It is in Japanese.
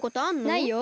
ないよ。